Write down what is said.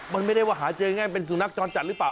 มันไม่ได้ว่าหาเจอยังไงเป็นสุนัขจรจันทร์หรือเปล่า